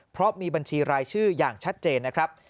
เพราะมีบัญชีรายชื่ออย่างชัดเจนนะครับ